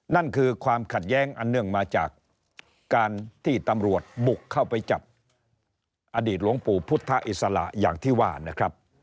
นั่นคือความขัดแย้งอันเนื่องมาจากการที่ตำรวจบุกเข้าไปจับอดีตหลวงปู่พุทธอิสระอย่างที่ว่านะครับ